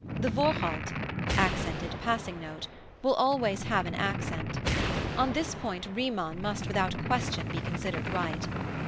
The Vorhalt (accented passing note) will always have an accent. On this point Riemann must without question be considered right.